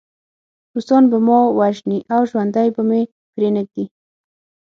روسان به ما وژني او ژوندی به مې پرېنږدي